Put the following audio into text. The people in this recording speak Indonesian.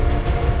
ya enggak apa apa